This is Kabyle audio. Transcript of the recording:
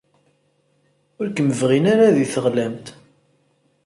Ur kem-bɣin ara deg teɣlamt.